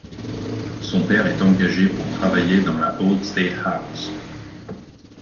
Son père est engagé pour travailler dans la Old State House.